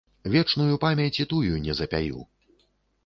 Вечную памяць і тую не запяю.